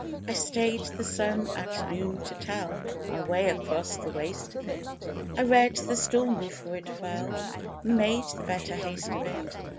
I stayed the sun at noon to tell My way across the waste of it; I read the storm before it fell And made the better haste of it.